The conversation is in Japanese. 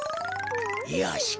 よし。